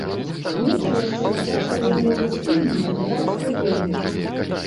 Недзе яшчэ ляжаць ягоныя лісты мне з уральскай зоны.